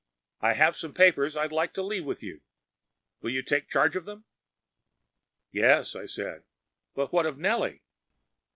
I have some papers I’d like to leave with you. Will you take charge of them?‚ÄĚ ‚ÄúYes,‚ÄĚ I said. “But what of Nellie?